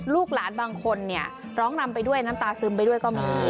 ลูกหลานบางคนเนี่ยร้องนำไปด้วยน้ำตาซึมไปด้วยก็มี